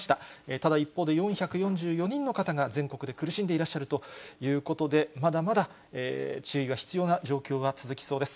ただ一方で、４４４人の方が全国で苦しんでいらっしゃるということで、まだまだ注意が必要な状況は続きそうです。